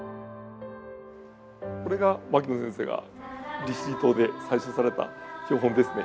これが牧野先生が利尻島で採集された標本ですね。